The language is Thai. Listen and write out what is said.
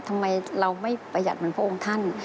ทำไมเราไม่ประหยัดเหมือนพระองค์ท่าน